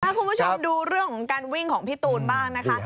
คุณผู้ชมดูเรื่องของการวิ่งของพี่ตูนบ้างนะคะ